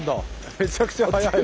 めちゃくちゃ速いわ。